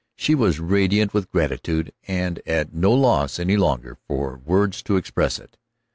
She was radiant with gratitude, and at no loss any longer for words to express it.